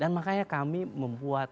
dan makanya kami membuat